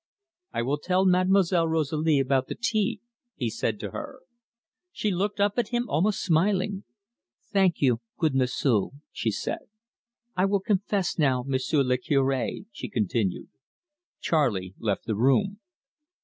"I will tell Mademoiselle Rosalie about the tea," he said to her. She looked up at him, almost smiling. "Thank you, good M'sieu'," she said. "I will confess now, M'sieu' le Cure" she continued. Charley left the room.